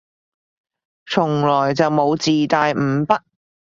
從來就冇自帶五筆